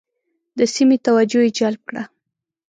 د سیمې توجه یې جلب کړه.